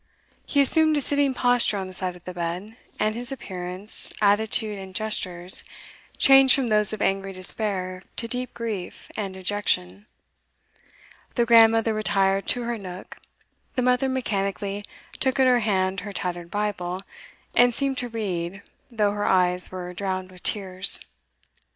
He assumed a sitting posture on the side of the bed, and his appearance, attitude, and gestures, changed from those of angry despair to deep grief and dejection. The grandmother retired to her nook, the mother mechanically took in her hand her tattered Bible, and seemed to read, though her eyes were drowned with tears.